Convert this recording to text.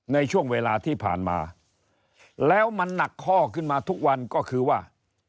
ในช่วงเวลาที่ผ่านมาแล้วมันหนักข้อขึ้นมาทุกวันก็คือว่า